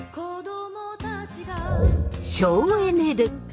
省エネ・ルック。